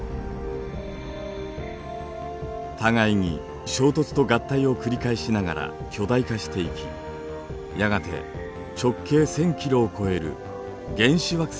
互いに衝突と合体を繰り返しながら巨大化していきやがて直径１，０００キロを超える原始惑星に成長。